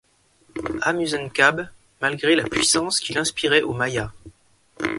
Ah-Muzen-Cab malgré la puissance qu'il inspirait aux Mayas.